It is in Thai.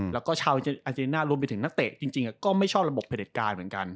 แล้วก็ชาวอาเจน่ารวมไปถึงนักเตะจริงก็ไม่ชอบระบบผลิตการเหมือนกัน